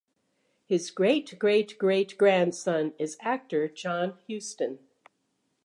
His great-great-great-grandson is actor Jack Huston.